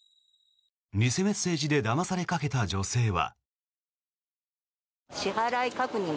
偽メッセージでだまされかけた女性は。